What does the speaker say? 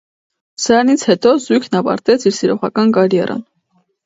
Սրանից հետո զույգն ավարտեց իր սիրողական կարիերան։